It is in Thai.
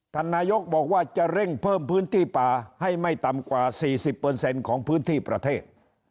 ท่านนายกบอกว่าจะเร่งเพิ่มพื้นที่ป่าให้ไม่ต่ำกว่า๔๐ของพื้นที่ประเทศ